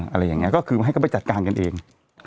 อะไรอย่างนี้ก็คือให้เขาไปจัดการกันเอง